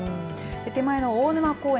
手前が大沼公園